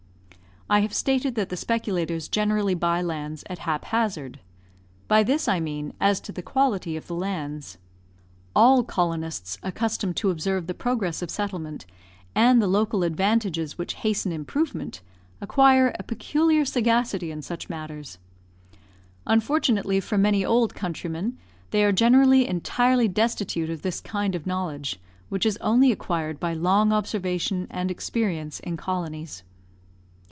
I have stated that the speculators generally buy lands at hap hazard. By this I mean as to the quality of the lands. All colonists accustomed to observe the progress of settlement, and the local advantages which hasten improvement, acquire a peculiar sagacity in such matters. Unfortunately for many old countrymen, they are generally entirely destitute of this kind of knowledge, which is only acquired by long observation and experience in colonies.